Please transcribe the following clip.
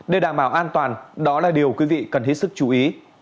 để đảm bảo an toàn đó là điều quý vị cần hết sức chú ý